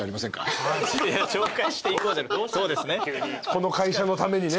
この会社のためにね。